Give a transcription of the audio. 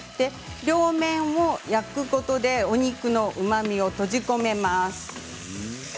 両面を焼くことでお肉のうまみを閉じ込めます。